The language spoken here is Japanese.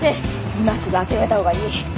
今すぐ諦めたほうがいい。